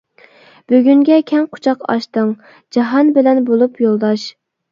بۈگۈنگە كەڭ قۇچاق ئاچتىڭ جاھان بىلەن بولۇپ يولداش.